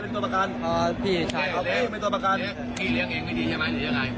มึงต้องพูดให้หมดเลยมึงเชื่อพี่